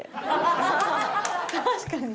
確かに。